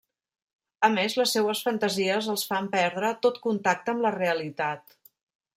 A més, les seues fantasies els fan perdre tot contacte amb la realitat.